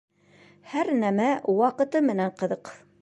Һәр нәмә ваҡыты менән ҡыҙыҡ.